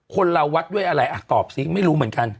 คนเราวัดด้วยอะไรอ่ะตอบซิไม่รู้เหมือนกัน